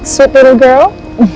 anak kecil yang manis